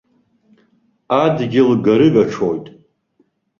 Адгьыл гарыгаҽоит.